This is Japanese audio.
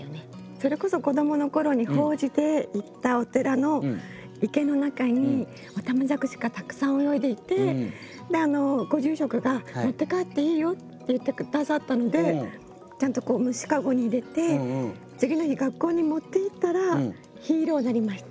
それこそ子どもの頃に法事で行ったお寺の池の中におたまじゃくしがたくさん泳いでいてご住職が「持って帰っていいよ」って言って下さったのでちゃんと虫かごに入れて次の日学校に持っていったらヒーローになりました。